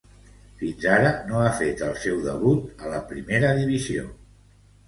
Fins ara no ha fet el seu debut a la primera divisió.